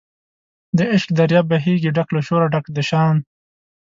د عشق دریاب بهیږي ډک له شوره ډک د شان